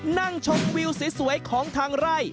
นั่งชมวิวสวยของทางไร่